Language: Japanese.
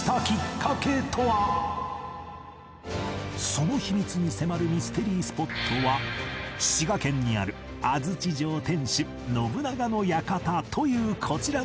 その秘密に迫るミステリースポットは滋賀県にある安土城天主信長の館というこちらの施設